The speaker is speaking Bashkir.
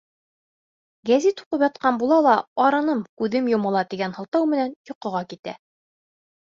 Гәзит уҡып ятҡан була ла, арыным, күҙем йомола, тигән һылтау менән йоҡоға китә.